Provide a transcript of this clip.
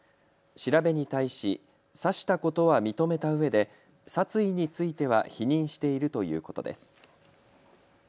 調べに対し刺したことは認めたうえで殺意については否認しているということです。